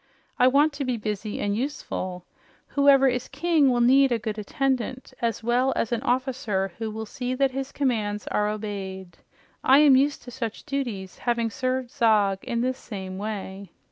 I want to be busy and useful. Whoever is king will need a good attendant as well as an officer who will see that his commands are obeyed. I am used to such duties, having served Zog in this same way."